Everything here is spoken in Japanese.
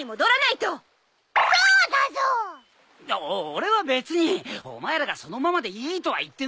俺は別にお前らがそのままでいいとは言ってねえぞ。